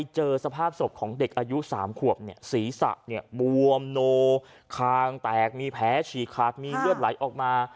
เจอสภาพศพของเด็กอายุ๓ขวบศีรษะบวมโนคางแตกมีแผลฉีกขาดมีเลือดไหลออกมา